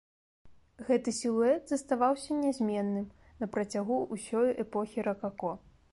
Гэты сілуэт заставаўся нязменным на працягу ўсёй эпохі ракако.